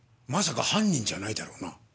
まさか犯人じゃないだろうな。